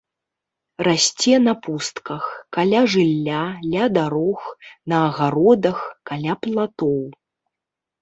Расце на пустках, каля жылля, ля дарог, на агародах, каля платоў.